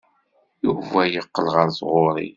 Yuba yeqqel ɣer tɣuri.